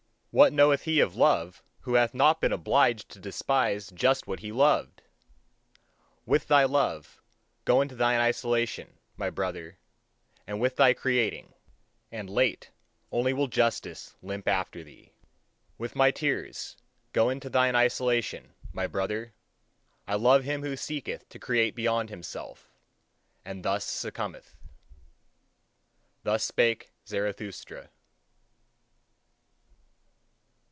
What knoweth he of love who hath not been obliged to despise just what he loved! With thy love, go into thine isolation, my brother, and with thy creating; and late only will justice limp after thee. With my tears, go into thine isolation, my brother. I love him who seeketh to create beyond himself, and thus succumbeth. Thus spake Zarathustra.